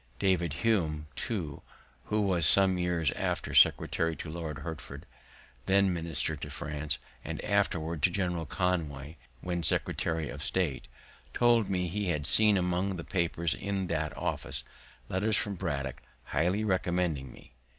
David Hume, too, who was some years after secretary to Lord Hertford, when minister in France, and afterward to General Conway, when secretary of state, told me he had seen among the papers in that office, letters from Braddock highly recommending me.